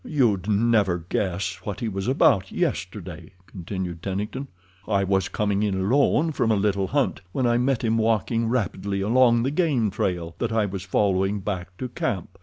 "You'd never guess what he was about yesterday," continued Tennington. "I was coming in alone from a little hunt when I met him walking rapidly along the game trail that I was following back to camp.